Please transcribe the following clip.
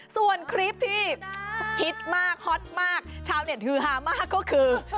ส่วนคลิปที่ฮิตมากฮอตมากชาวเน็ตฮือฮามากก็คือ